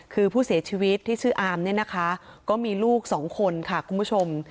คือผู้เสียชีวิตที่ชื่ออามเนี่ยนะคะก็มีลูกสองคนค่ะคุณผู้ชม